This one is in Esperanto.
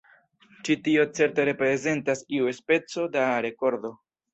Ĉi-tio certe reprezentas iu speco da rekordo.